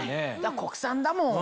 国産だもん！